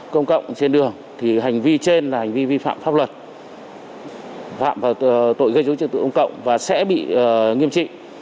công cộng trên đường thì hành vi trên là hành vi vi phạm pháp luật phạm vào tội gây dối chất tự công cộng và sẽ bị nghiêm trị